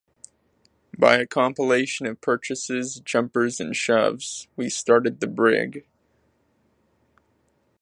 By a complication of purchases, jumpers, and shoves, we started the brig.